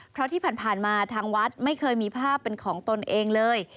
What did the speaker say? เพราะที่ผ่านมาทางวัดไม่เคยมีภาพเป็นของตนเองเลย